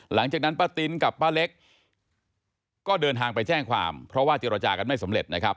หลังจากนั้นป้าตินกับป้าเล็กก็เดินทางไปแจ้งความเพราะว่าเจรจากันไม่สำเร็จนะครับ